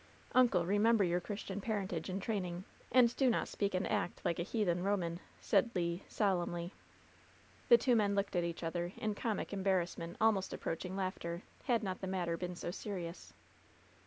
Uncle, remember your Christian parentage and training, and do not speak and act like a heathen Eo man," said Le, solemnly. The two men looked at each other in comic embarrass^ ment almost approaching laughter, had not the matter been so serious.